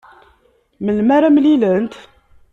Melmi ara mlilent?